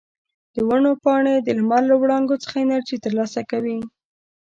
د ونو پاڼې د لمر له وړانګو څخه انرژي ترلاسه کوي.